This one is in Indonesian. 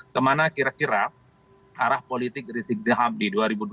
kemana kira kira arah politik dari sik zihab di dua ribu dua puluh empat